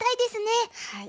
はい。